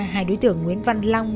hai đối tượng nguyễn văn long